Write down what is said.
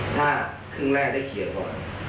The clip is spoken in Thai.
ถ้าครึ่งแรกได้เขียนก่อน